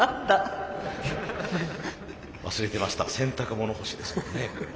忘れてました洗濯物干しですもんね。